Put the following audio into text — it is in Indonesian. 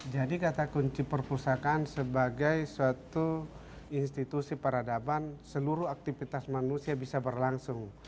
jadi kata kunci perpustakaan sebagai suatu institusi peradaban seluruh aktivitas manusia bisa berlangsung